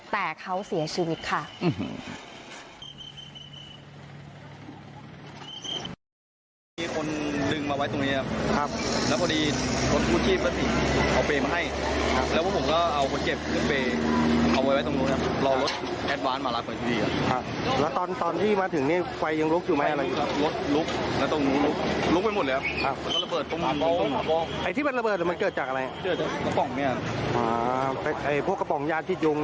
แต่เขาเสียชีวิตค่ะ